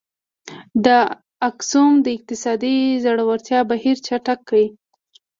د اکسوم د اقتصادي ځوړتیا بهیر چټک کړ.